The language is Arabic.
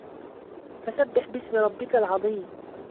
فَسَبِّح بِاسمِ رَبِّكَ العَظيمِ